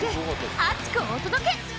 厚く！」お届け。